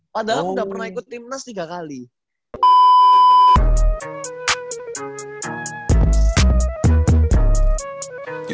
padahal udah pernah ikut timnas tiga kali